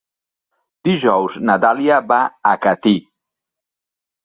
Dijous na Dàlia va a Catí.